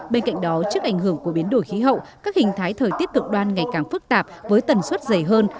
bên cạnh đó trước ảnh hưởng của biến đổi khí hậu các hình thái thời tiết cực đoan ngày càng phức tạp với tần suất dày hơn